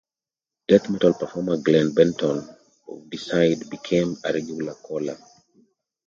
Death metal performer Glen Benton of Deicide became a regular caller.